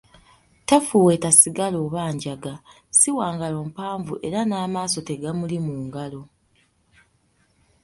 Tafuweeta sigala oba njaga, si wangalo mpanvu era n'amaaso tegamuli mu ngalo.